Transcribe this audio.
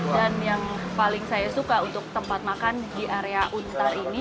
dan yang paling saya suka untuk tempat makan di area untar ini